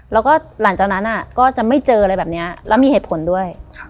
แล้วก็หลังจากนั้นก็จะไม่เจออะไรแบบนี้แล้วมีเหตุผลด้วย